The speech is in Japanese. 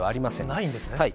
ないんですね。